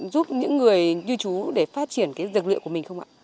giúp những người như chú để phát triển cái dược liệu của mình không ạ